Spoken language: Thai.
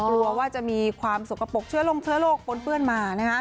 กลัวว่าจะมีความสกปรกเชื้อลงเชื้อโรคปนเปื้อนมา